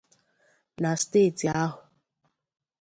na steeti ahụ.